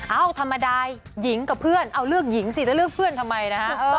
ธรรมดาหญิงกับเพื่อนเอาเลือกหญิงสิจะเลือกเพื่อนทำไมนะฮะ